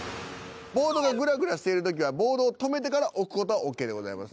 ボードがぐらぐらしてる時はボードを止めてから置く事はＯＫでございます。